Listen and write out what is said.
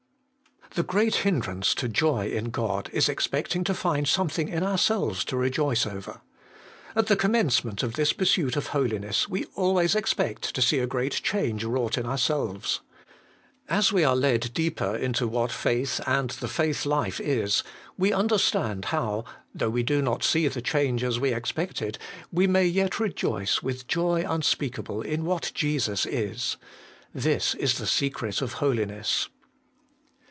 t The great hindrance to joy In Qod ts expecting to find something In our selves to rejoice over. At the commencement of this pursuit of holiness we always expect to see a great change wrought in ourselves. As we are led deeper Into what faith, and the faith life is, we understand how, though we do not see the change as we expected, we may yet rejoice with joy unspeakable in what Jesus Is. This is the secret of holiness.